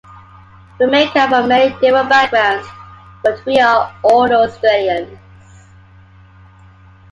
We may come from many different backgrounds but we are all Australians.